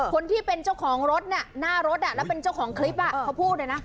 คนที่เป็นเจ้าของรถเนี่ยหน้ารถแล้วเป็นเจ้าของคลิปเขาพูดเลยนะ